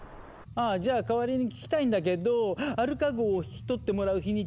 ああじゃあ代わりに聞きたいんだけどアルカ号を引き取ってもらう日にちを決めたいの。